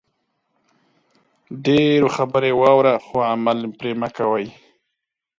ډېرو خبرې واوره خو عمل مه پرې کوئ